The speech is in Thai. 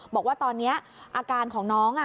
บอกว่าตอนนี้อาการของน้อง